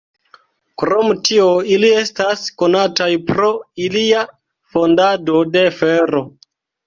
Krom tio ili estas konataj pro ilia fandado de fero.